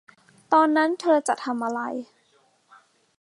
ตอนนั้นเธอจะทำอะไร